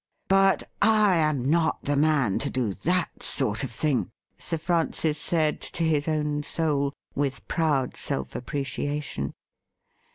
' But I am not the man to do that sort of thing,' Sir Francis said to his own soul, with proud self appreciation.